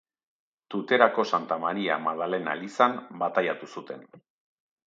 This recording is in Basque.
Tuterako Santa Maria Madalena elizan bataiatu zuten.